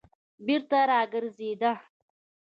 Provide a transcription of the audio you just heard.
بېرته راگرځېده.